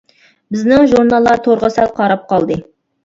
بىزنىڭ ژۇرناللار تورغا سەل قاراپ قالدى.